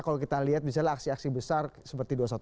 kalau kita lihat misalnya aksi aksi besar seperti dua ratus dua belas